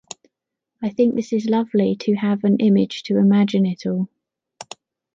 I think this is lovely to have an image to imagine it all.